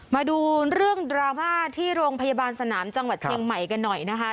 มาดูเรื่องดราม่าที่โรงพยาบาลสนามจังหวัดเชียงใหม่กันหน่อยนะคะ